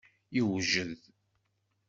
Yewjed.